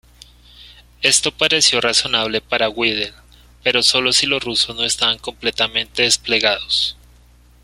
Esto pareció razonable para Wedel, pero solo si los rusos no estaban completamente desplegados.